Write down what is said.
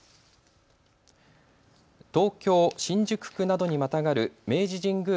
東京新宿区などにまたがる明治神宮